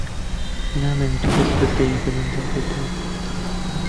نامەوێت کەس بەزەیی بە مندا بێتەوە.